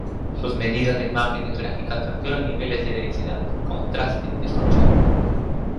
Sus medidas de imágenes gráficas capturan niveles de densidad, contraste y distorsión.